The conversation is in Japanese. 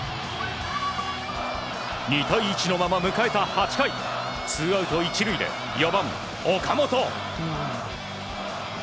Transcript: ２対１のまま迎えた８回ツーアウト１塁で４番、岡本。